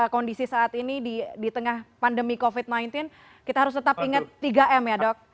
kondisi saat ini di tengah pandemi covid sembilan belas kita harus tetap ingat tiga m ya dok